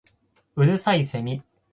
五月蠅いセミ